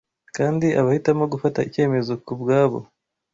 Kandi abahitamo gufata icyemezo kubwabo